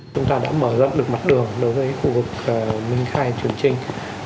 chúng ta đã mở rộng được mặt đường đối với khu vực minh khai trường trinh